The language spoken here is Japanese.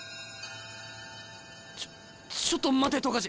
ちょちょっと待て冨樫。